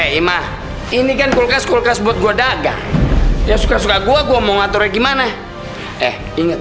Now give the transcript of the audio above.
eh imah ini kan kulkas kulkas buat gua dagang ya suka suka gua gua mau aturnya gimana eh inget